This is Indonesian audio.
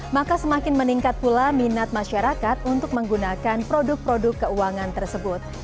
maka semakin meningkat pula minat masyarakat untuk menggunakan produk produk keuangan tersebut